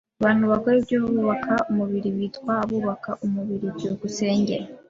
Abantu bakora ibyubaka umubiri bitwa abubaka umubiri. byukusenge